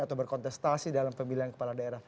atau berkontestasi dalam pemilihan kepala daerah